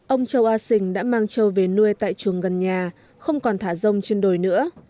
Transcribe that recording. ông châu a sình đã mang châu về nuôi tại chuồng gần nhà không còn thả rông trên đồi nữa